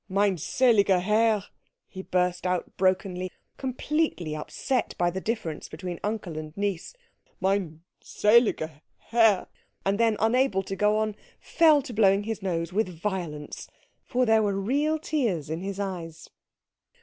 "Mein seliger Herr," he burst out brokenly, completely upset by the difference between uncle and niece, "mein seliger Herr " And then, unable to go on, fell to blowing his nose with violence, for there were real tears in his eyes.